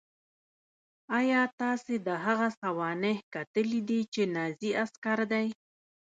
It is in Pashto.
ایا تاسې د هغه سوانح کتلې دي چې نازي عسکر دی